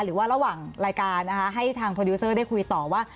หรือว่าระหว่างรายการนะคะให้ทางโปรดิวเซอร์ได้คุยต่อว่า